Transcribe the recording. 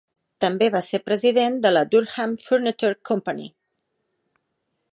També va ser president de la Durham Furniture Company.